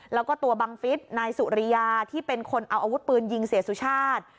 แล้วก็ตัวบังฟิศนายสุริยาที่เป็นคนเอาอาวุธปืนยิงเสียสุชาติ